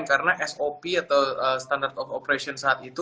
karena sop atau standard of operation saat itu